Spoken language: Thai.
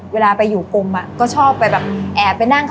เวลาไปอยู่กรมก็ชอบไปแบบแอบไปนั่ง